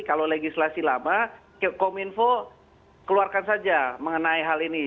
kalau legislasi lama kominfo keluarkan saja mengenai hal ini